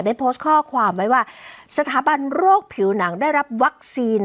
ได้โพสต์ข้อความไว้ว่าสถาบันโรคผิวหนังได้รับวัคซีน